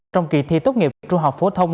trong kỳ thi tốt nghiệp trung học phổ thông